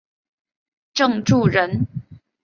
郑注人。